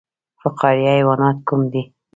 فقاریه حیوانات کوم دي؟